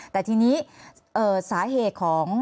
แต่ทีนี้สาเหตุของ